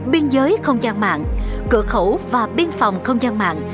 biên giới không gian mạng cửa khẩu và biên phòng không gian mạng